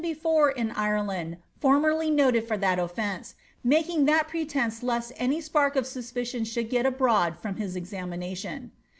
305 before in Ireland fonnerly noted for that offence/ making that pretence lest any spark of suspicion should get abroad from his examination.